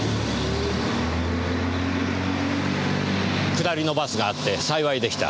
下りのバスがあって幸いでした。